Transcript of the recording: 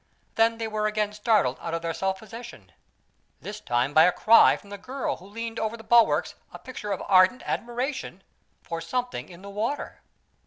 Then they were again startled out of their self possession this time by a cry from the girl who leaned over the bulwarks a picture of ardent admiration for something in the water.